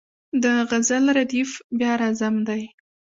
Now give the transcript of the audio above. د غزل ردیف بیا راځم دی.